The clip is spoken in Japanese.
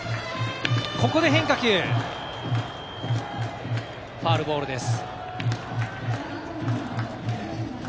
ここで変化球、ファウルボールです。